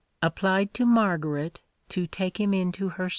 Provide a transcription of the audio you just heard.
applied to Margaret to take him into her service.